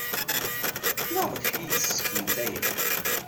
Maɣef ay iyi-d-sseknent aya?